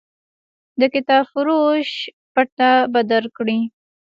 د کتابفروش پته به درکړي.